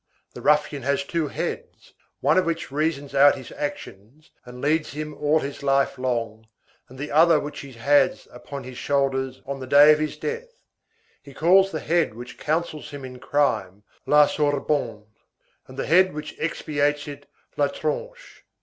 —The ruffian has two heads, one of which reasons out his actions and leads him all his life long, and the other which he has upon his shoulders on the day of his death; he calls the head which counsels him in crime la sorbonne, and the head which expiates it la tronche.